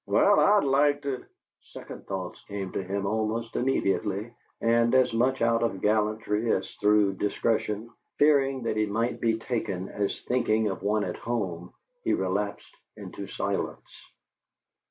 "Well, I'd like to " Second thoughts came to him almost immediately, and, as much out of gallantry as through discretion, fearing that he might be taken as thinking of one at home, he relapsed into silence.